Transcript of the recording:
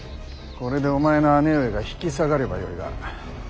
これでお前の姉上が引き下がればよいが。